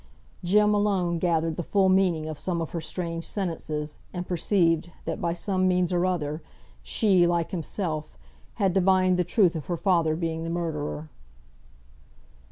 Jem alone gathered the full meaning of some of her strange sentences, and perceived that by some means or other she, like himself, had divined the truth of her father being the murderer.